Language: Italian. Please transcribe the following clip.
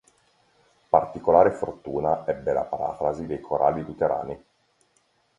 Particolare fortuna ebbe la parafrasi dei corali luterani.